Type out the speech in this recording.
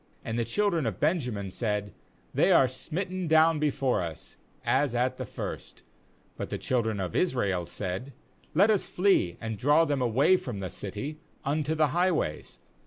32 And the children of Benjamin said: 'They are smitten down before us, as at the first/ But the children of Israel said: 'Let us flee, and draw them away from the city unto the highways.'